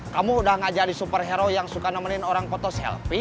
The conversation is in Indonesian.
kamu udah nggak jadi superhero yang suka nemenin orang koto selfie